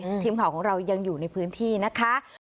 ทีมข่าวของเรายังอยู่ในพื้นที่นะคะ